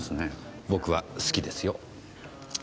僕は好きですよ。